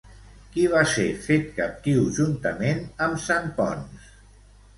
Qui va ser fet captiu juntament amb Sant Ponç?